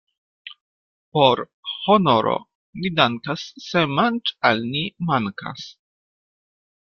Por honoro ni dankas, se manĝ' al ni mankas.